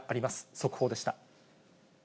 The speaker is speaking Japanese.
速報でした。